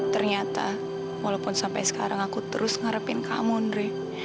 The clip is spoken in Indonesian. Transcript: ternyata walaupun sampai sekarang aku terus ngerepin kamu ndre